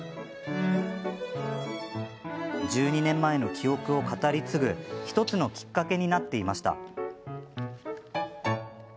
１２年前の記憶を語り継ぐ１つのきっかけになっていました。